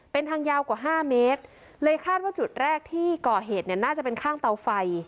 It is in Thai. เป็นทางยาวกว่าห้าเมตรเลยคาดว่าจุดแรกที่ก่อเหตุเนี่ยน่าจะเป็นข้างเตาไฟ